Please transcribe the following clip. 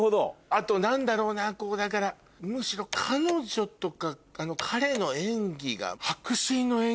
あと何だろうなこうだからむしろ彼女とか彼の演技が。